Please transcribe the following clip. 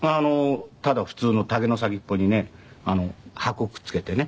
ただ普通の竹の先っぽにね箱をくっ付けてね